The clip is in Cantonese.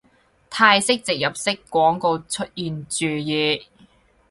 泰式植入式廣告出現注意